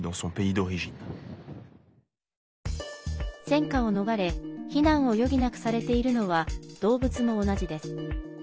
戦禍を逃れ避難を余儀なくされているのは動物も同じです。